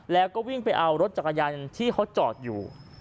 แล้วก็วิ่งไปเอารถจักรยานที่เขาจอดอยู่